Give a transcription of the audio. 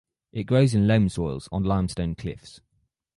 It grows in loam soils on limestone cliffs.